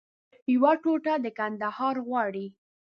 یوه ټوټه د کندهار غواړي